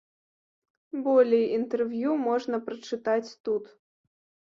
Болей інтэрв'ю можна прачытаць тут.